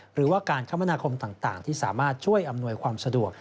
หรือว่าการคมนาคมต่างที่สามารถช่วยอำนวยความสะดวก